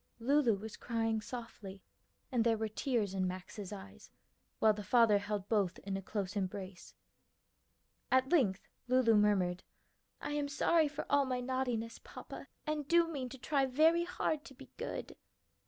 Lulu was crying softly, and there were tears in Max's eyes, while the father held both in a close embrace. At length Lulu murmured, "I am sorry for all my naughtiness, papa, and do mean to try very hard to be good."